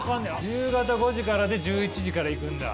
夕方５時からで１１時から行くんだ。